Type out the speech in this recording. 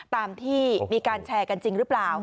ตามที่มีการแชร์กันจริงหรือเปล่า